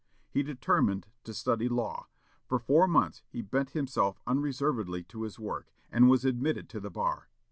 He determined to study law. For four months, he bent himself unreservedly to his work, and was admitted to the bar.